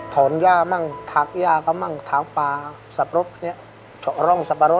ถอนหญ้ามากถากหญ้าก็มากถากป่าก็แหมฌรลงสปรศ